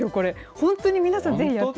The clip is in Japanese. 本当に皆さん、ぜひやって。